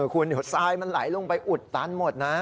คุณสายมันไหลลงไปอุดตันหมดนะ